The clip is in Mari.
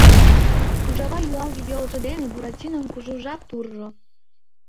Ужава юалге йолжо дене Буратином кужу жап туржо.